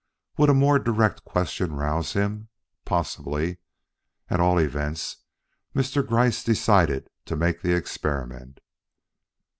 Would a more direct question rouse him? Possibly. At all events, Mr. Gryce decided to make the experiment.